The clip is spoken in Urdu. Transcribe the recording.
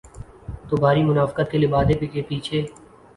تو بھاری منافقت کے لبادے کے پیچھے۔